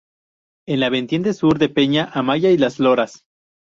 En la vertiente sur de Peña Amaya y las Loras.